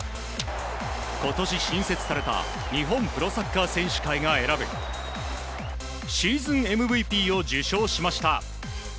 今年新設された日本プロサッカー選手会が選ぶシーズンＭＶＰを受賞しました。